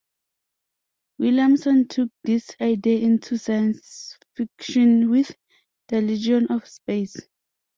Williamson took this idea into science fiction with "The Legion of Space".